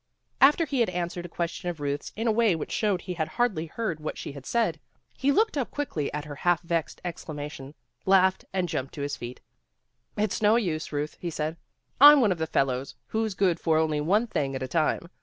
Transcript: After he had answered a question of Ruth's in a way which showed he had hardly heard GOOD BY 175 what she had said, he looked up quickly at her half vexed exclamation, laughed, and jumped to his feet. ''It's no use, Euth," he said. "I'm one of the fellows who's good for only one thing at a time.